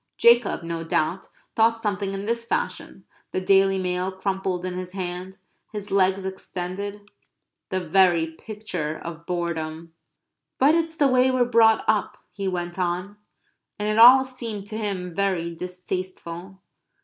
Jacob, no doubt, thought something in this fashion, the Daily Mail crumpled in his hand; his legs extended; the very picture of boredom. "But it's the way we're brought up," he went on. And it all seemed to him very distasteful.